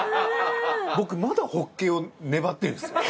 僕まだホッケを粘ってんですよ？